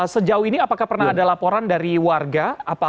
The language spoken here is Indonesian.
sejauh ini apakah pernah ada laporan dari warga